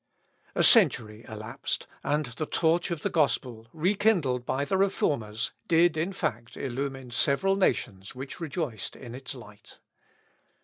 A century elapsed, and the torch of the Gospel, rekindled by the Reformers, did, in fact, illumine several nations which rejoiced in its light.